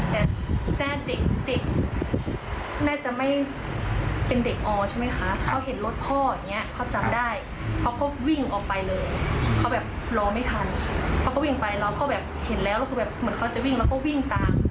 ตัวหนูนี้วิ่งตามมาหลัง